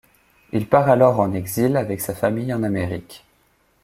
Il part alors en exil avec sa famille en Amérique.